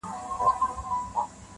تر بچیو گوله نه سي رسولای-